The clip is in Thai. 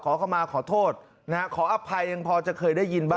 เข้ามาขอโทษนะฮะขออภัยยังพอจะเคยได้ยินบ้าง